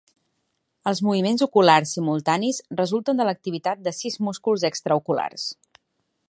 Els moviments oculars simultanis resulten de l'activitat de sis músculs extraoculars.